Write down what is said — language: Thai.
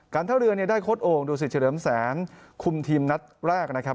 ท่าเรือเนี่ยได้โค้ดโอ่งดูสิตเฉลิมแสนคุมทีมนัดแรกนะครับ